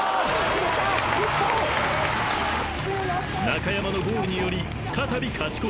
［中山のゴールにより再び勝ち越し］